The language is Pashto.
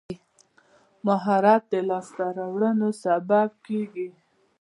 مهارت د لاسته راوړنو سبب کېږي.